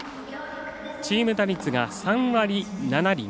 チーム打率が３割７厘。